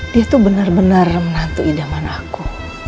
dia tuh bener bener menantu idaman aku